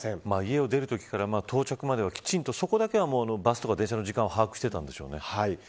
家を出るときから到着まではそこだけはバスとか電車の時間を把握していたんでしょうね。